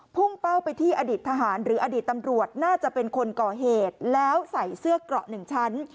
พุ่งเป้าไปที่อดีตทหารหรืออดีตตำรวจน่าจะเป็นคนก่อเหตุแล้วใส่เสื้อเกราะหนึ่งชั้น